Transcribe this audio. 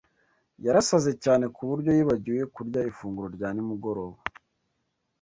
Yarasaze cyane kuburyo yibagiwe kurya ifunguro rya nimugoroba.